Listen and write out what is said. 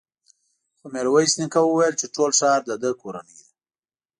خو ميرويس نيکه وويل چې ټول ښار د ده کورنۍ ده.